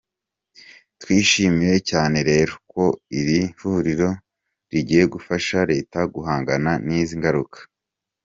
Twishimiye cyane rero ko iri huriro rigiye gufasha Leta guhangana n’izi ngaruka.